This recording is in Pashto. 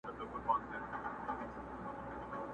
تیارو د بیلتانه ته به مي بېرته رڼا راسي.!